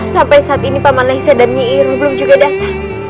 sampai saat ini paman langsir dan nyira belum juga datang